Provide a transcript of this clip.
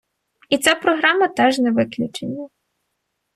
І ця програма теж не виключення.